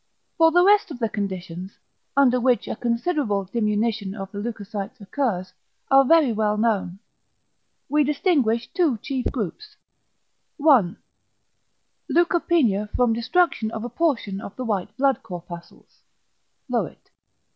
For the rest the conditions, under which a considerable diminution of the leucocytes occurs, are very well known. We distinguish two chief groups: 1. Leukopenia from =destruction of a portion of the white blood corpuscles= (Löwit); 2.